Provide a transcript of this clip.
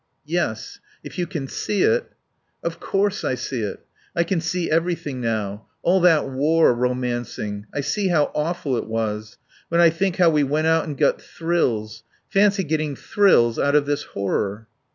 "Yes. If you can see it " "Of course I see it. I can see everything now. All that war romancing. I see how awful it was. When I think how we went out and got thrills. Fancy getting thrills out of this horror."